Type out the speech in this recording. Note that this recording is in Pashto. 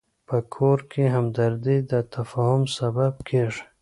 په کور کې همدردي د تفاهم سبب کېږي.